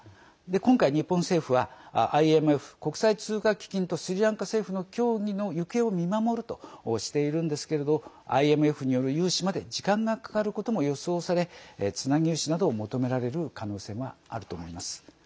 今回、日本政府はＩＭＦ＝国際通貨基金とスリランカ政府の協議の行方を見守るとしているんですけれどＩＭＦによる融資まで時間がかかることも予想されつなぎ融資などを求められる可能性があると思います。